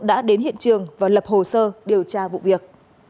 đã đến hiện trường và lập hồ sơ điều tra vụ việc